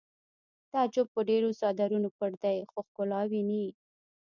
تعجب په ډېرو څادرونو پټ دی خو ښکلا ویني